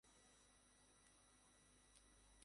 দেখলেই তো, খাবার ডেলিভার করলাম।